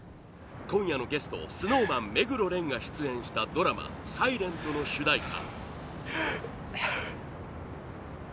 今夜のゲスト ＳｎｏｗＭａｎ、目黒蓮が出演したドラマ「ｓｉｌｅｎｔ」の主題歌